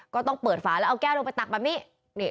ก็ต้องเปิดฝาแล้วเอาแก้วลงไปตักแบบนี้